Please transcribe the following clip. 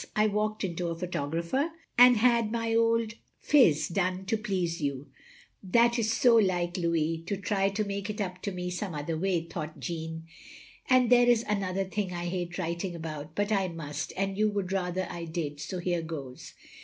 ... I walked into a photographer* r*, and had my old phiz, done to please you" (That is so like 73 THE LONELY LADY 79 Louis, to try to make it up to me some other way," thought Jeamie) — and there is another thing I hate writing about, but I must, and you would rather I did, so here goes.